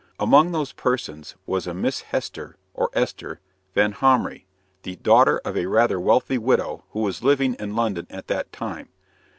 Among these persons was a Miss Hester or Esther Vanhomrigh, the daughter of a rather wealthy widow who was living in London at that time.